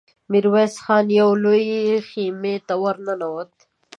ميرويس خان يوې لويې خيمې ته ور ننوت.